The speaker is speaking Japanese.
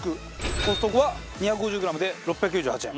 コストコは２５０グラムで６９８円。